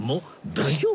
大丈夫？